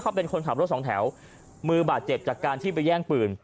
เขาเป็นคนขับรถสองแถวมือบาดเจ็บจากการที่ไปแย่งปืน